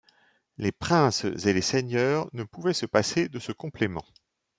Les princes et les seigneurs ne pouvaient se passer de ce complément.